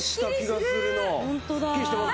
すっきりしてる！